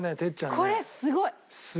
これすごい。